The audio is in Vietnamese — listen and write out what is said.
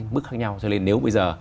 mức khác nhau cho nên nếu bây giờ